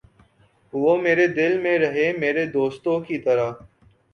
وُہ میرے دل میں رہے میرے دوستوں کی طرح